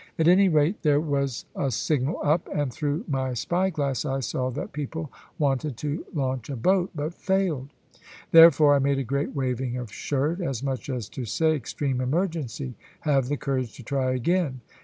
At any rate there was a signal up, and through my spy glass I saw that people wanted to launch a boat, but failed. Therefore I made a great waving of shirt, as much as to say, "extreme emergency; have the courage to try again."